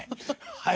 はい。